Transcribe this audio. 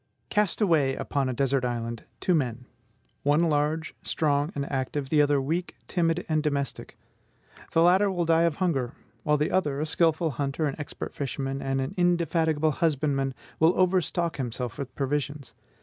Cast away upon a desert island two men: one large, strong, and active; the other weak, timid, and domestic. The latter will die of hunger; while the other, a skilful hunter, an expert fisherman, and an indefatigable husbandman, will overstock himself with provisions.